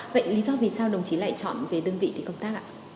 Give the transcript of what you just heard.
vậy lý do vì sao đồng chí lại chọn về đơn vị thì công tác ạ